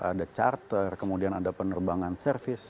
ada charter kemudian ada penerbangan service